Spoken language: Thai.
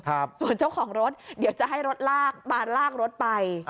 ครับส่วนเจ้าของรถเดี๋ยวจะให้รถลากมาลากรถไป